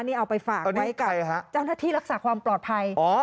นี่เอาไปฝากไว้กับเจ้าหน้าที่รักษาความปลอดภัย